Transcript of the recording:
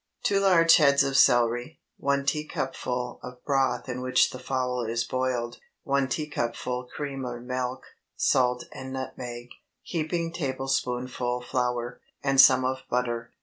2 large heads of celery. 1 teacupful of broth in which the fowl is boiled. 1 teacupful cream or milk. Salt and nutmeg. Heaping tablespoonful flour, and same of butter.